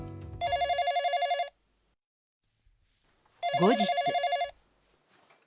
後日。